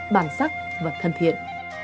bản sắc và thân thiện